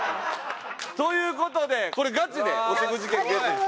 という事でこれガチでお食事券ゲットです。